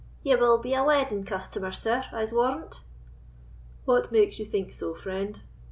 "Ye will be a wedding customer, sir, I'se warrant?" "What makes you think so, friend?"